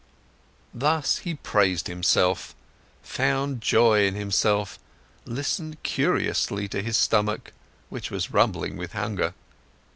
Thus he praised himself, found joy in himself, listened curiously to his stomach, which was rumbling with hunger.